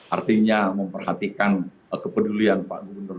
artinya memperhatikan kepedulian pak gubernur